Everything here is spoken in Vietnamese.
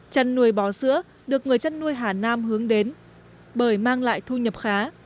chân nuôi bò sữa được người chân nuôi hà nam hướng đến bởi mang lại thu nhập khá